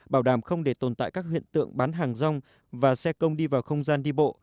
bảo đảm không để tồn tại các hiện tượng bán hàng rong và xe công đi vào không gian đi bộ